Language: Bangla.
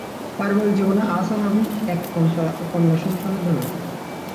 পারিবারিক জীবনে আহসান হাবীব এক কন্যা সন্তানের জনক।